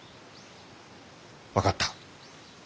分かった。